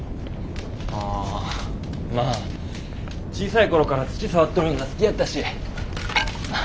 ああまあ小さい頃から土触っとるんが好きやったしま